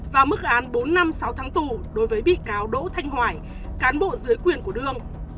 và mức án bốn năm sáu tháng tù đối với bị cáo đỗ thanh hoài cán bộ dưới quyền của đương